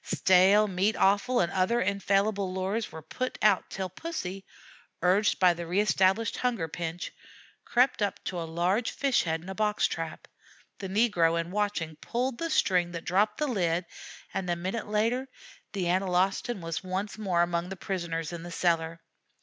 Stale meat offal and other infallible lures were put out till Pussy, urged by the reestablished hunger pinch, crept up to a large fish head in a box trap; the negro, in watching, pulled the string that dropped the lid, and, a minute later, the Analostan was once more among the prisoners in the cellar.